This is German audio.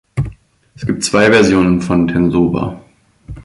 Es gibt zwei Versionen von Tensoba.